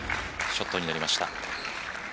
ショットになりました。